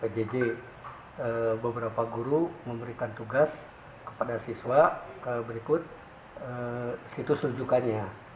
pjj beberapa guru memberikan tugas kepada siswa berikut situs rujukannya